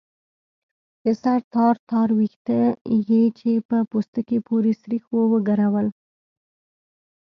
د سر تار تار ويښته يې چې په پوستکي پورې سرېښ وو وګرول.